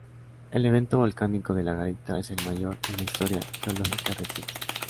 El evento volcánico de La Garita es el mayor en la historia geológica reciente.